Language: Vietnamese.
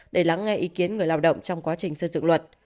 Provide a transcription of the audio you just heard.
để lắng nghe ý kiến người lao động trong quá trình xây dựng luật